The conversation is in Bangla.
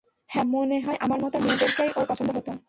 হ্যাঁ, মনে হয় আমার মত মেয়েদেরকেই ওর পছন্দ হত।